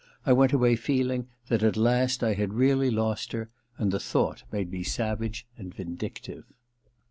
I went away feeling that at last I had really lost her ; and the thought made me savage and vindictive.